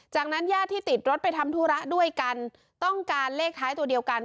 จากนั้นญาติที่ติดรถไปทำธุระด้วยกันต้องการเลขท้ายตัวเดียวกัน